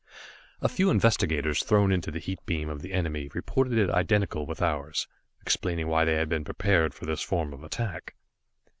A few investigators thrown into the heat beam of the enemy reported it identical with ours, explaining why they had been prepared for this form of attack.